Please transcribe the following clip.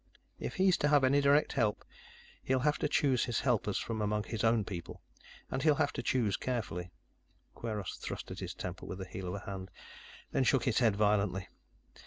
If he's to have any direct help, he'll have to choose his helpers from among his own people, and he'll have to choose carefully." Kweiros thrust at his temple with the heel of a hand, then shook his head violently.